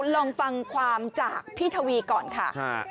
ลองฟังความจากพี่ทวีก่อนค่ะ